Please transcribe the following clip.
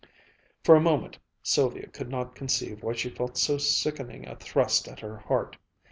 For a moment Sylvia could not conceive why she felt so sickening a thrust at her heart.